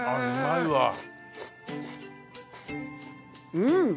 うん！